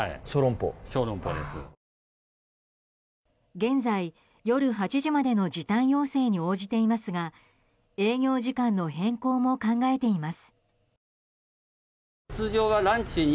現在、夜８時までの時短要請に応じていますが営業時間の変更も考えています。